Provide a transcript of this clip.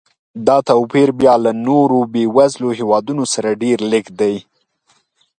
دا توپیر بیا له نورو بېوزلو هېوادونو سره ډېر لږ دی.